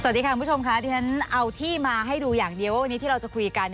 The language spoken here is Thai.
สวัสดีค่ะคุณผู้ชมค่ะที่ฉันเอาที่มาให้ดูอย่างเดียวว่าวันนี้ที่เราจะคุยกัน